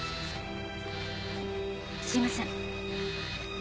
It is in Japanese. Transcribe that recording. すみません。